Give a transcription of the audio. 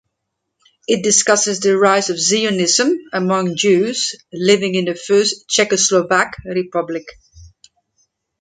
It discusses the rise of Zionism among Jews living in the First Czechoslovak Republic.